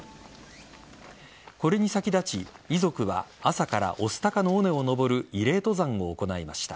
これに先立ち遺族は朝から御巣鷹の尾根を登る慰霊登山を行いました。